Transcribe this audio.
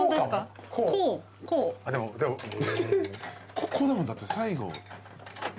ここだもんだって最後。